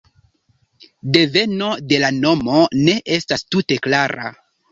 Deveno de la nomo ne estas tute klara.